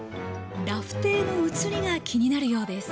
ラフテーの映りが気になるようです。